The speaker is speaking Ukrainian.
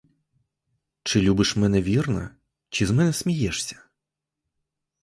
Чи любиш мене вірно, чи з мене смієшся?